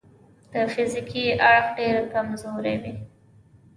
د فزیکي اړخه ډېر کمزوري وي.